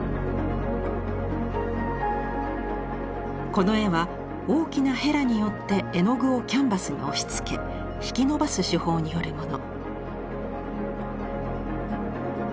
この絵は大きなへらによって絵の具をキャンバスに押しつけ引き伸ばす手法によるもの。